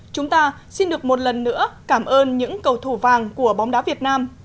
chúng ta xin được một lần nữa cảm ơn những cầu thủ vàng của bóng đá việt nam